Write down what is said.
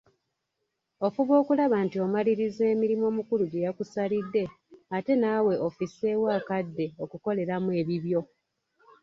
Ofuba okulaba nti omaliririza emirimu omukulu gye yakusalidde ate naawe ofisseewo akadde okukoleramu ebibyo.